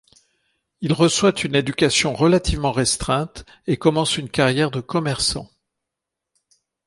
Il reçoit une éducation relativement restreinte et commence une carrière de commerçant.